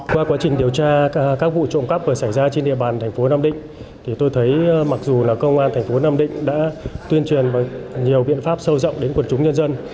qua quá trình điều tra các vụ trộm cắp vừa xảy ra trên địa bàn thành phố nam định thì tôi thấy mặc dù là công an thành phố nam định đã tuyên truyền nhiều biện pháp sâu rộng đến quần chúng nhân dân